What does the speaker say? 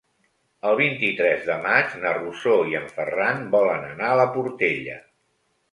El vint-i-tres de maig na Rosó i en Ferran volen anar a la Portella.